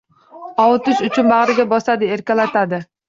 Ovutish uchun bag‘riga bosadi, erkalatadi